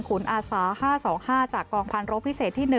ขุนอาศา๕๒๕จากกองพลลบพิเศษที่๑